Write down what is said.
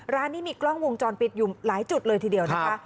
ร้านนี้มีกล้องวงจรปิดอยู่หลายจุดเลยทีเดียวนะคะ